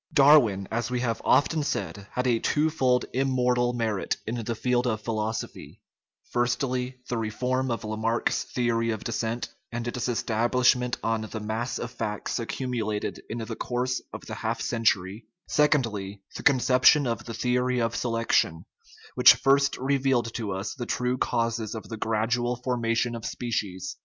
Darwin, as we have often said, had a twofold im mortal merit in the field of philosophy firstly, the reform of Lamarck's theory of descent, and its estab lishment on the mass of facts accumulated in the course of the half century; secondly, the conception of the theory of selection, which first revealed to us the true causes of the gradual formation of species.